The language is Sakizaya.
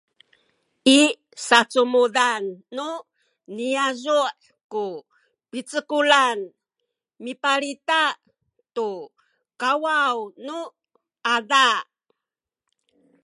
i sacumudan nu niyazu’ ku picekulan mipalita tu kakawaw nu ada